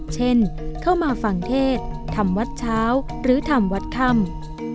เข้ามาฝั่งเทศทำวัดเช้าหรือทำวัดค่ำ